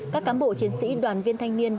các cán bộ chiến sĩ đoàn viên thanh niên